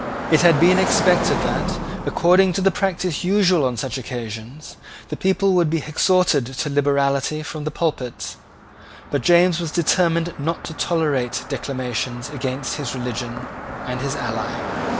It had been expected that, according to the practice usual on such occasions, the people would be exhorted to liberality from the pulpits. But James was determined not to tolerate declamations against his religion and his ally.